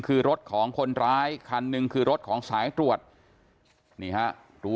คือรถของคนร้ายคันหนึ่งคือรถของสายตรวจนี่ฮะรู้